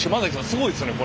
すごいですね